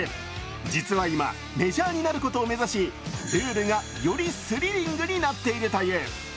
実は今、メジャーになることを目指しルールが、よりスリリングになっているという。